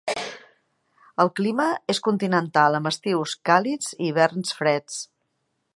El clima és continental, amb estius càlids i hiverns freds.